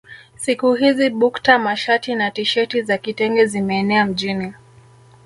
Siku hizi bukta mashati na tisheti za kitenge zimeenea mjini